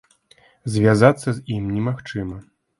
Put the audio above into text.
Звязацца з ім немагчыма.